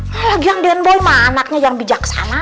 malah yang den boy mah anaknya yang bijaksana